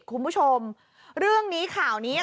คุณผู้ชมเรื่องนี้ข่าวนี้